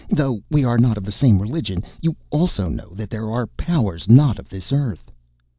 Though we are not of the same religion, you also know that there are powers not of this earth."